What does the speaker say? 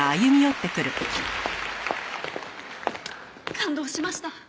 感動しました。